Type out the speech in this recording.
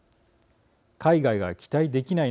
海外が期待できない